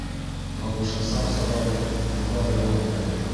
Тауышын саҡ сығарып, уға яуап бирҙе: